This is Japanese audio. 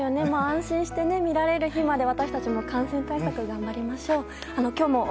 安心して見られる日まで私たちも感染対策頑張りましょう。